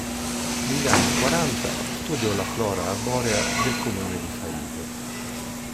Negli anni quaranta studiò la flora arborea del comune di Faido.